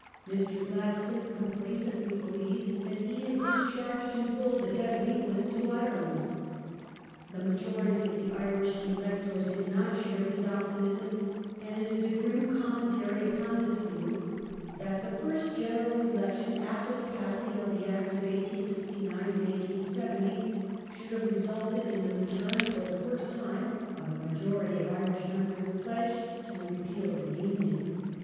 Mr. Gladstone complacently believed that he had discharged in full the debt of England to Ireland.^ The majority of the Irish electors did not share his optimism, and it is a grim commentary upon this view that the first ^C/, Thf Vatican Decrees, p. 59. 1 1881] IRISH POLICY 483 General Election after the passing of the Acts of 1869 and 1870 should have resulted in the return for the first time of a majority of Irish members pledged to the repeal of the Union.